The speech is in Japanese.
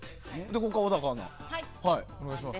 ここから小高アナ、お願いします。